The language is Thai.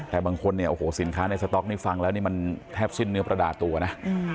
แต่บางคนเนี่ยโอ้โหสินค้าในสต๊อกนี่ฟังแล้วนี่มันแทบสิ้นเนื้อประดาตัวนะ